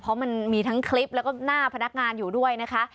เพราะมันมีทั้งคลิปแล้วก็หน้าพนักงานอยู่ด้วยนะคะ